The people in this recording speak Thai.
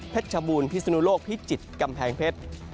ชบูรณพิศนุโลกพิจิตรกำแพงเพชร